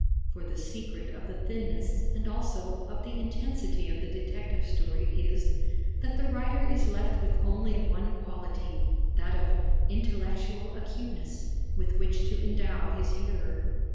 For the secret of the thinness and also of the intensity of the detective story is that the writer is left with only one quality, that of intellectual acuteness, with which to endow his hearer.